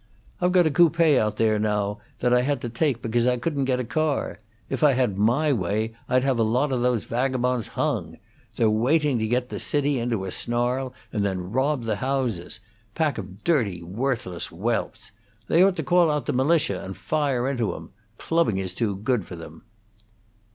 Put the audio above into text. "I've got a coupe out there now that I had to take because I couldn't get a car. If I had my way I'd have a lot of those vagabonds hung. They're waiting to get the city into a snarl, and then rob the houses pack of dirty, worthless whelps. They ought to call out the militia, and fire into 'em. Clubbing is too good for them."